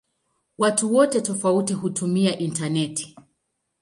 Watu wengi tofauti hutumia intaneti.